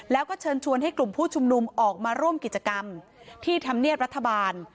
แล้วก็เชิญชวนให้กลุ่มผู้ชุมนุมออกมาร่วมกิจกรรมที่ธรรมเนียบรัฐบาล